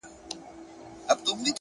حقیقت د وخت ازموینه تېروي